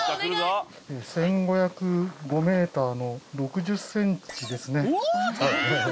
１５０５ｍの６０ｃｍですね。